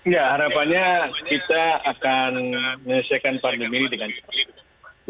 ya harapannya kita akan menyelesaikan pandemi ini dengan cepat